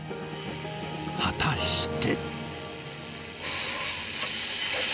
果たして。